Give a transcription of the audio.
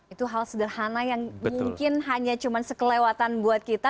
itu hal sederhana yang mungkin hanya cuma sekelewatan buat kita